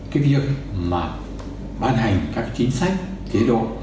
cái việc mà ban hành các chính sách chế độ